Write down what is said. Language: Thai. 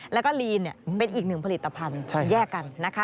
แล้วก็ลีนเป็นอีกหนึ่งผลิตภัณฑ์แยกกันนะคะ